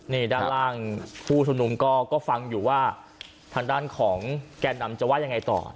นี่ด้านล่างผู้ชุมนุมก็ฟังอยู่ว่าทางด้านของแก่นำจะว่ายังไงต่อ